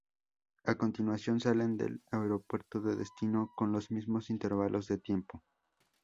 A continuación, salen del aeropuerto de destino con los mismos intervalos de tiempo.